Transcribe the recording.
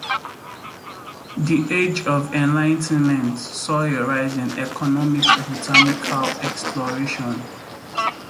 The age of enlightenment saw a rise in economic botanical exploration.